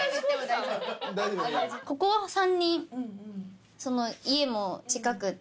ここ３人家も近くって。